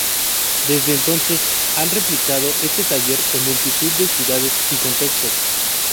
Desde entonces han replicado este taller en multitud de ciudades y contextos.